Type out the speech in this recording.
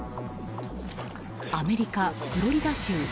アメリカ・フロリダ州。